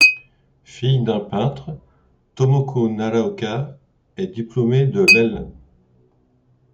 Fille d'un peintre, Tomoko Naraoka est diplômée de l'.